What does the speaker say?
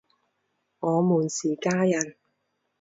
我们是家人！